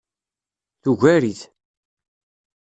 Tugar-it.